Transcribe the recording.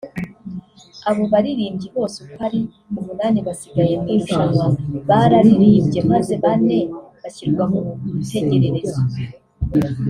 abo baririmbyi bose uko ari umunani basigaye mu irushanwa bararirimbye maze bane bashyirwa mu rutegererezo